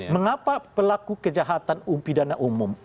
mengapa pelaku kejahatan pidana umum